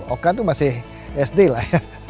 oka itu masih sd lah ya